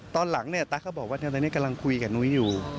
ตอนหลังเนี่ยตั๊กก็บอกว่าตอนนี้กำลังคุยกับนุ้ยอยู่